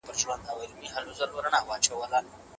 له دې ژوندونه مي زړه تور دی ګور ته کډه کوم